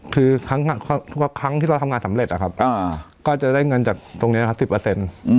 คือทุกครั้งที่เราทำงานสำเร็จครับครับก็จะได้เงินจากตรงนี้นะครับ๑๐